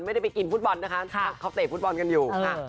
ไม่ได้ไปกินฟุตบอลนะคะเขาเตะฟุตบอลกันอยู่ค่ะ